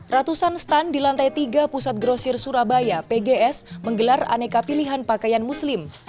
ratusan stand di lantai tiga pusat grosir surabaya pgs menggelar aneka pilihan pakaian muslim